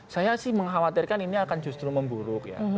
saya sih mengkhawatirkan ini akan justru memburuk ya